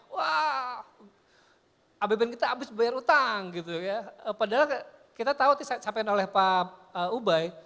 wah apbn kita habis bayar utang padahal kita tahu disampaikan oleh pak ubay